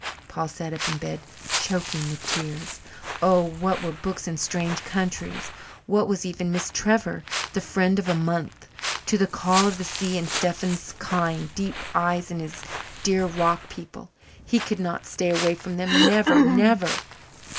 Paul sat up in bed, choking with tears. Oh, what were books and strange countries? what was even Miss Trevor, the friend of a month? to the call of the sea and Stephen's kind, deep eyes and his dear rock people? He could not stay away from them never never.